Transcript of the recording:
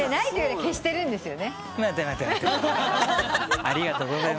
消してたんですね。